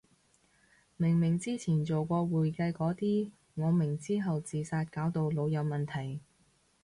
明明之前做過會計個啲，我明之後自殺搞到腦有問題